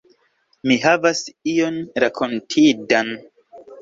Mi havas ion rakontindan.